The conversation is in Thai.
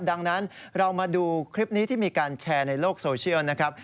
ดังนั้นเรามาดูคลิปนี้ที่มีการแชร์ในโลกโซเชียลนะครับ